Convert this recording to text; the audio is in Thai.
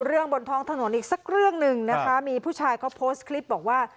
บนท้องถนนอีกสักเรื่องหนึ่งนะคะมีผู้ชายเขาโพสต์คลิปบอกว่า